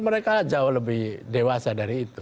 mereka jauh lebih dewasa dari itu